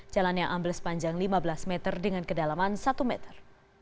jalan yang ambles panjang lima belas meter dengan kedalaman satu meter